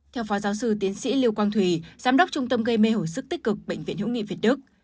theo phó giáo sư tiến sĩ lưu quang thùy giám đốc trung tâm gây mê hồi sức tích cực bệnh viện hữu nghị việt đức